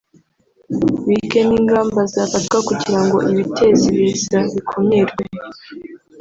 bige n’ingamba zafatwa kugira ngo ibiteza ibiza bikumirwe